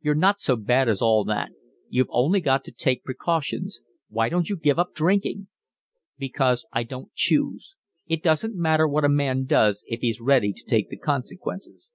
You're not so bad as all that. You've only got to take precautions. Why don't you give up drinking?" "Because I don't choose. It doesn't matter what a man does if he's ready to take the consequences.